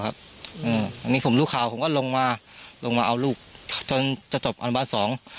อย่างนี้ผมลูกคาวลงมาเอาลูกจนจะจบอนุบัติ๒